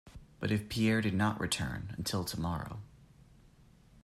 But if Pierre did not return, until tomorrow.